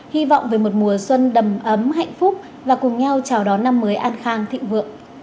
hy vọng về một mùa xuân đầm ấm hạnh phúc và cùng nhau chào đón năm mới an khang thịnh vượng